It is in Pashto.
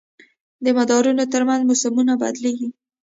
د مدارونو تر منځ موسمونه بدلېږي.